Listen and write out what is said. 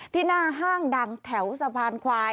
หน้าห้างดังแถวสะพานควาย